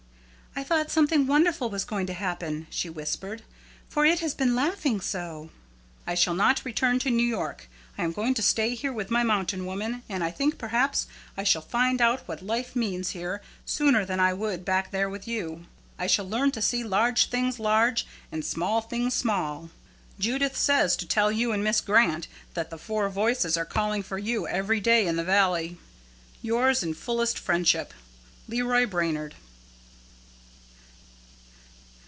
'I thought something wonderful was going to happen,' she whispered, 'for it has been laughing so.' "I shall not return to New York. I am going to stay here with my mountain woman, and I think perhaps I shall find out what life means here sooner than I would back there with you. I shall learn to see large things large and small things small. Judith says to tell you and Miss Grant that the four voices are calling for you every day in the valley. "Yours in fullest friendship, "LEROY BRAINARD."